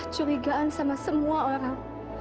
curigaan sama semua orang